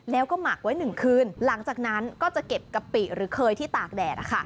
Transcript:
แล้วก็หมักไว้๑คืนหลังจากนั้นก็จะเก็บกะปิหรือเคยที่ตากแดด